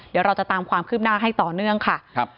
เดี๋ยวเราจะตามความคืบหน้าให้ต่อเนื่องค่ะ